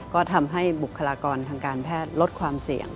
ก็ทำให้บุคลากรทางการแพทย์ลดความเสี่ยง